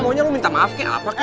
mau nya lu minta maaf kek apa kek